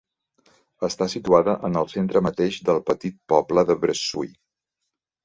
Està situada en el centre mateix del petit poble de Bressui.